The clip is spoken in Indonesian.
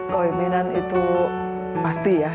kewimpinan itu pasti ya